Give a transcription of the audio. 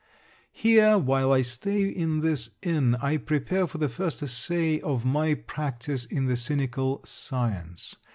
Here, while I stay in this inn, I prepare for the first essay of my practice in the cynical science.